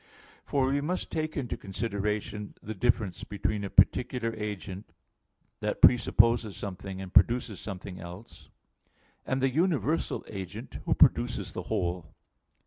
For we must take into consideration the difference between a particular agent, that presupposes something and produces something else, and the universal agent, who produces the whole.